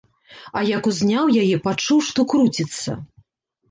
А як узняў яе, пачуў, што круціцца.